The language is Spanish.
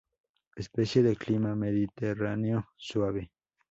Especie de clima mediterráneo suave.